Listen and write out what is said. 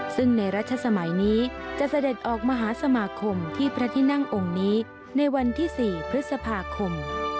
ซึ่งในรัชสมัยนี้จะเสด็จออกมหาสมาคมที่พระที่นั่งองค์นี้ในวันที่๔พฤษภาคม